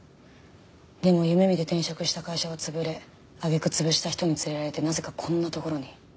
でも夢見て転職した会社は潰れ揚げ句潰した人に連れられてなぜかこんな所に。